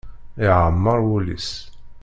Iɛemmer wul-is.